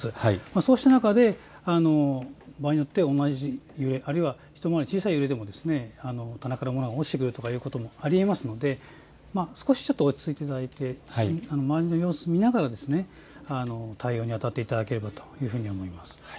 そうした中で場合によって一回り小さい揺れでも棚から落ちてくるということもありえますので少し落ち着いていただいて周りの様子を見ながら対応にあたっていただければと思います。